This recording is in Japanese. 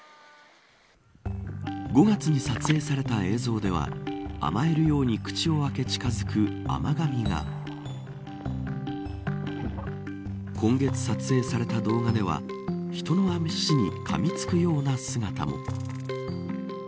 ５月に撮影された映像では甘えるように口を開け近づく甘がみが今月撮影された動画では人の足にかみつくような姿も。